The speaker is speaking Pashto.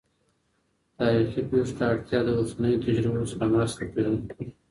تاریخي پېښو ته اړتیا د اوسنیو تجربو سره مرسته کوي.